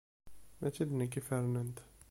Mačči d nekk i fernent.